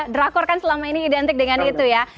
drakor kan selama ini identik dengan itu ya